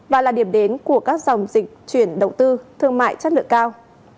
và là điểm đến của các dòng dịch chuyển đầu tư thương mại chất lượng cao